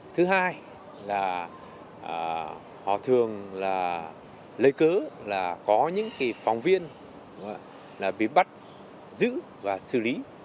thứ hai là họ thường lấy cớ là có những phóng viên bị bắt giữ và xử lý